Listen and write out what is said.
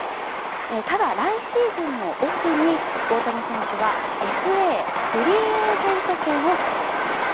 ただ、来シーズンのオフに大谷選手はＦＡ・フリーエージェント権を取得します。